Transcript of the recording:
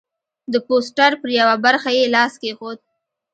د پوسټر پر یوه برخه یې لاس کېښود.